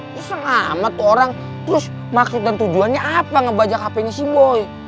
lu seng amat orang terus maksud dan tujuannya apa ngebajak hpnya si boy